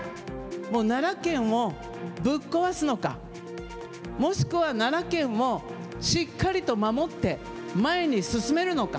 奈良県をぶっ壊すのか、もしくは奈良県をしっかりと守って、前に進めるのか。